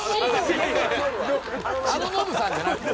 あの信さんじゃなくて？